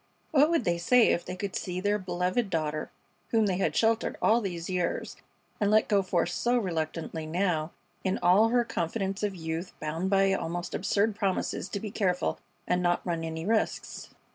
What would they say if they could see their beloved daughter, whom they had sheltered all these years and let go forth so reluctantly now, in all her confidence of youth, bound by almost absurd promises to be careful and not run any risks.